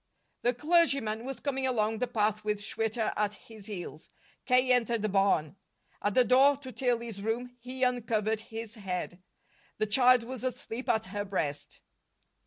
The clergyman was coming along the path with Schwitter at his heels. K. entered the barn. At the door to Tillie's room he uncovered his head. The child was asleep at her breast.